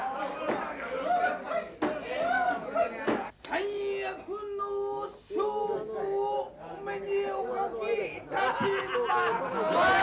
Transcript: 三役の証拠をお目におかけいたします！